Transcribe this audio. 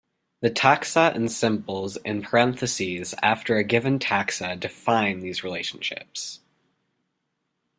The taxa and symbols in parentheses after a given taxa define these relationships.